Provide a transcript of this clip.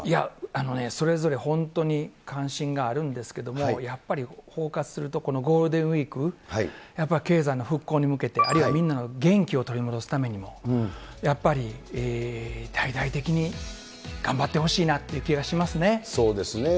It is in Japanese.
あのね、それぞれ本当に関心があるんですけれども、やっぱり統括すると、ゴールデンウィーク、やっぱ経済の復興に向けて、あるいはみんなの元気を取り戻すためにも、やっぱり大々的に頑張ってほしいそうですね。